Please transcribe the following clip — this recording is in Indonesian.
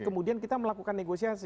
kemudian kita melakukan negosiasi